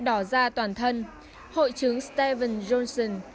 đỏ da toàn thân hội chứng steven johnson